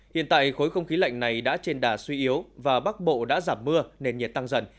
hiện tại khối không khí lạnh này đã trên đà suy yếu và bắc bộ đã giảm mưa nền nhiệt tăng dần